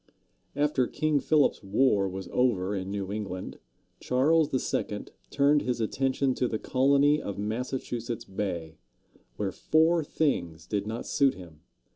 After King Philip's War was over in New England, Charles II. turned his attention to the colony of Massachusetts Bay, where four things did not suit him.